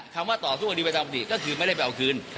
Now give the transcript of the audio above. คำว่าต่อสู้กดีไปตามปกติก็คือไม่ได้ไปเอาคืน